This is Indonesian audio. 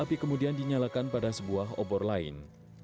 api kemudian dinyalakan pada sebuah obor lain